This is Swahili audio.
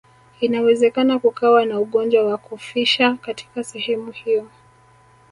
Inawezekana kukawa na ugonjwa wa kufisha katika sehemu hiyo